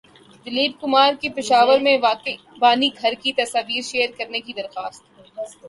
دلیپ کمار کی پشاور میں واقع بائی گھر کی تصاویر شیئر کرنے کی درخواست